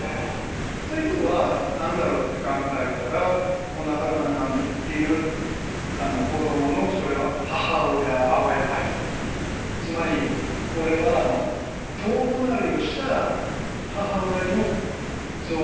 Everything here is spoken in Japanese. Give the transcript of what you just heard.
ということは何だろうって考えたらおなかの中にいる子供のそれは母親つまりこれは遠回りをした母親の像を描こうとしてるのかな